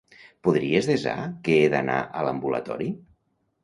Podries desar que he d'anar a l'ambulatori?